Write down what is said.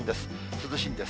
涼しいんです。